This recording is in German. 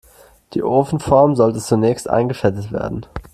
Die Ofenform sollte zunächst eingefettet werden.